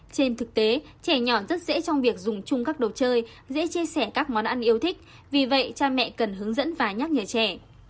trên thực tế trẻ nhỏ rất dễ trong việc dùng chung các đồ chơi dễ chia sẻ các món ăn yêu thích vì vậy cha mẹ cần hướng dẫn và nhắc nhở trẻ